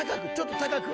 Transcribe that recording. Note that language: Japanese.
高く。